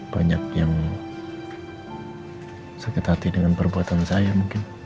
banyak yang sakit hati dengan perbuatan saya mungkin